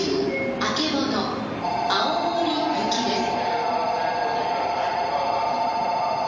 あけぼの青森行きです」